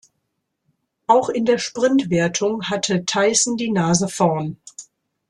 Auch in der Sprintwertung hatte Theissen die Nase vorn.